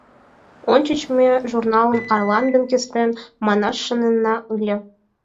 Ончыч ме журналым «Арлан ден Кестен» манаш шоненна ыле.